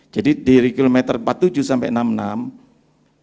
jadi dari kilometer empat puluh tujuh sampai enam puluh enam